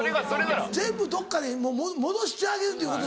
全部どっかに戻してあげるということ。